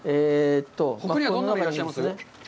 ほかにはどんなのがいらっしゃいます？